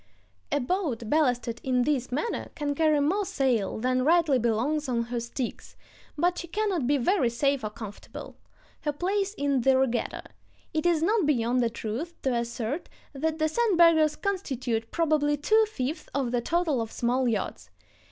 A boat ballasted in this manner can carry more sail than rightly belongs on her sticks, but she cannot be very safe or comfortable. Her place is in the regatta. It is not beyond the truth to assert that the sandbaggers constitute probably two fifths of the total of small yachts.